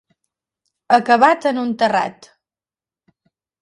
Acabat en un terrat.